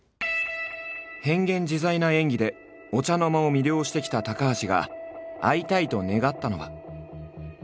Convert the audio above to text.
変幻自在な演技でお茶の間を魅了してきた高橋が会いたいと願ったのは。